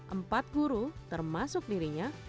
empat guru termasuk dirinya